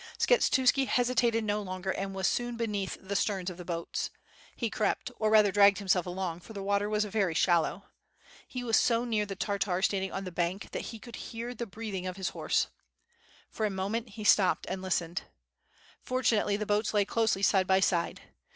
Skshetuski hesitated no longer and was soon beneath the stems of the boats. He crept, or rather dragged himself along, for the water was very shallow. He was so near the Tartar standing on the bank, that he could hear the breathing WITH FIRE AND SWORD. 787 of his horse. For a moment he stopped and listened. For tunately the boats lay closely side by side.